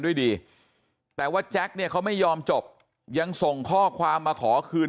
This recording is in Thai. ด้วยดีแต่ว่าแจ็คเนี่ยเขาไม่ยอมจบยังส่งข้อความมาขอคืน